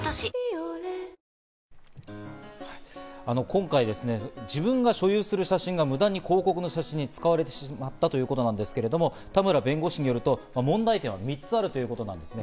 今回ですね、自分が所有する写真が無断で広告の写真に使われてしまったということなんですけど田村弁護士によると、問題点を３つあるということです。